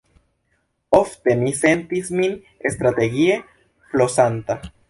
Ofte mi sentis min strategie flosanta.